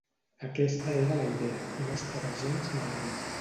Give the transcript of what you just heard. Aquesta era la idea, i no estava gens malament.